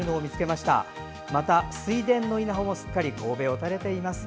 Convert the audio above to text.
また、水田の稲穂もすっかりこうべを垂れています。